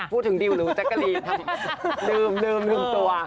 พูดถึงดิวหรือแจ๊กกาลีดื่มหนึ่งตัว